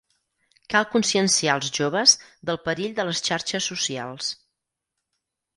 Cal conscienciar els joves del perill de les xarxes socials.